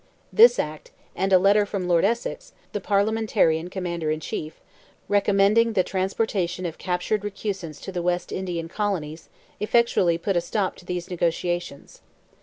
This act, and a letter from Lord Essex, the Parliamentarian Commander in Chief, recommending the transportation of captured recusants to the West Indian Colonies, effectually put a stop to these negotiations.